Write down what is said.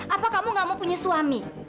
apa kamu gak mau punya suami